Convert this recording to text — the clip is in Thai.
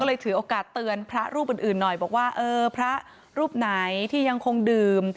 ถือโอกาสเตือนพระรูปอื่นหน่อยบอกว่าเออพระรูปไหนที่ยังคงดื่ม